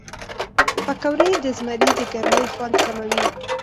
پکورې د زمري د ګرمۍ خوند کموي